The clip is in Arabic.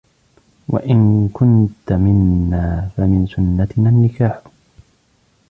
وَإِنْ كُنْت مِنَّا فَمِنْ سُنَّتِنَا النِّكَاحُ